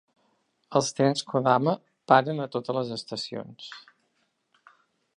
Els trens "Kodama" paren a totes les estacions.